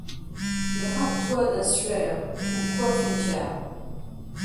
Drape-toi d’un suaire ou coiffe une tiare ;